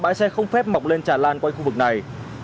bãi xe không phép mọc lên tràn lan quanh khu vực này